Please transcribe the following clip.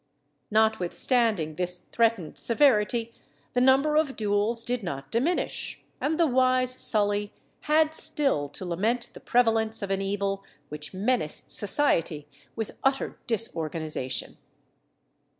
Notwithstanding this threatened severity, the number of duels did not diminish, and the wise Sully had still to lament the prevalence of an evil which menaced society with utter disorganisation.